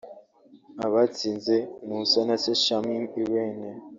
Abatsinze ni Usanase Shamim Irene